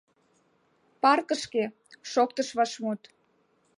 — Паркышке, — шоктыш вашмут.